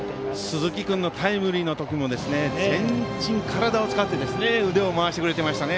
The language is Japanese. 鈴木君のタイムリーの時も全身、体を使って腕を回してくれていましたね。